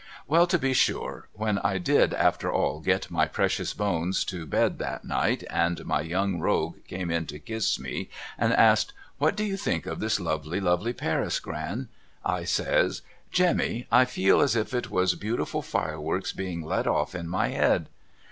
Well to be sure when I did after all get my precious bones to bed that night, and my Young Rogue came in to kiss me and asks ' AVhat do you think of this lovely lovely Paris, Gran ?' I says ' Jemmy I feel as if it was beautiful fireworks being let off in my head.'